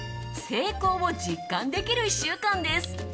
成功を実感できる１週間です。